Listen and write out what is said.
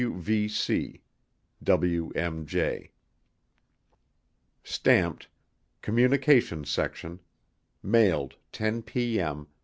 WVC:WMJ [Stamped: COMMUNICATIONS SECTION MAILED 10 P.M.